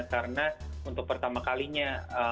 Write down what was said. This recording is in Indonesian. karena untuk pertama kalinya